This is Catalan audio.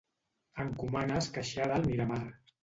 Encomana esqueixada al Miramar.